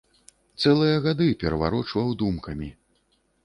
Цэлыя гады пераварочваў думкамі.